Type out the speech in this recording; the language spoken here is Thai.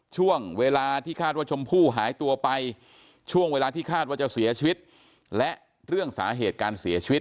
ช่วงเวลาที่คาดว่าชมพู่หายตัวไปช่วงเวลาที่คาดว่าจะเสียชีวิตและเรื่องสาเหตุการเสียชีวิต